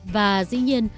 và dĩ nhiên